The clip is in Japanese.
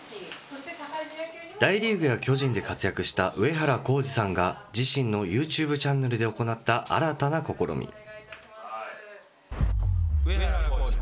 大リーグや巨人で活躍した上原浩治さんが、自身のユーチューブチャンネルで行った新たな試み。